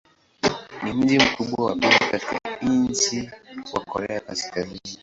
Ni mji mkubwa wa pili katika nchi wa Korea Kaskazini.